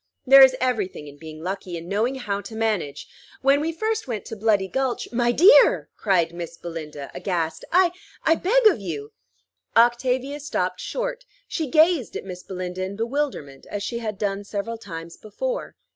There is every thing in being lucky, and knowing how to manage. When we first went to Bloody Gulch" "My dear!" cried Miss Belinda, aghast. "I I beg of you" Octavia stopped short: she gazed at Miss Belinda in bewilderment, as she had done several times before.